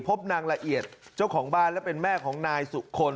พบนางละเอียดเจ้าของบ้านและเป็นแม่ของนายสุคล